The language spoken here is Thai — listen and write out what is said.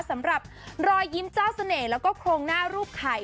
สำหรับรอยยิ้มเจ้าเสน่ห์แล้วก็โครงหน้ารูปไข่